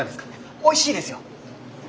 おいしいですよ！